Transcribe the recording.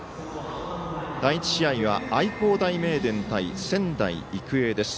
第１試合は愛工大名電対仙台育英です。